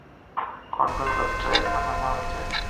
Control এখন আমার হাতে।